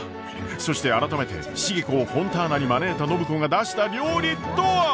そして改めて重子をフォンターナに招いた暢子が出した料理とは！？